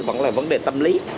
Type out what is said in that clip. vẫn là vấn đề tâm lý